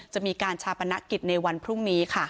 จะมีการชาปนกิจในวันพรุ่งนี้ค่ะ